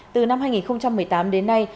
từ năm hai nghìn một mươi tám đến nay